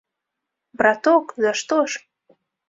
Браток, за што ж?